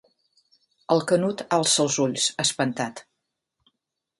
El Canut alça els ulls, espantat.